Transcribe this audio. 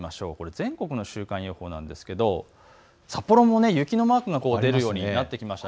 全国の週間予報なんですけれども札幌も雪のマークが出るようになってきました。